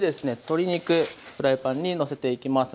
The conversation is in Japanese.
鶏肉フライパンにのせていきます。